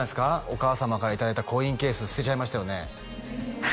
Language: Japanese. お母様からいただいたコインケース捨てちゃいましたよね？